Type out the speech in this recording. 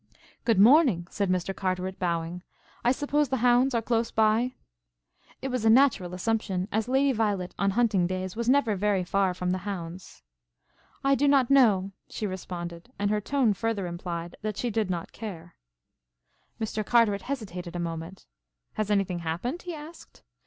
"Good morning," said Mr. Carteret, bowing. "I suppose the hounds are close by?" It was a natural assumption, as Lady Violet on hunting days was never very far from the hounds. "I do not know," she responded, and her tone further implied that she did not care. Mr. Carteret hesitated a moment. "Has anything happened?" he asked.